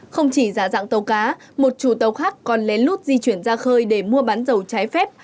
không chỉ giả dạng tàu cá một chủ tàu khác còn lén lút di chuyển ra khơi để mua bán dầu trái phép